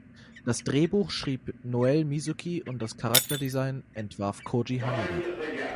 Das Drehbuch schrieb Noel Mizuki und das Charakterdesign entwarf Koji Haneda.